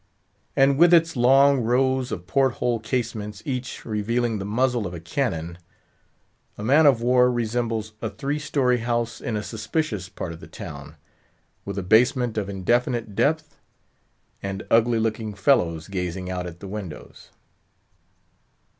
And with its long rows of port hole casements, each revealing the muzzle of a cannon, a man of war resembles a three story house in a suspicions part of the town, with a basement of indefinite depth, and ugly looking fellows gazing out at the windows.